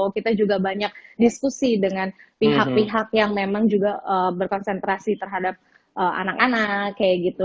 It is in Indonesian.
kita juga banyak diskusi dengan pihak pihak yang memang juga berkonsentrasi terhadap anak anak kayak gitu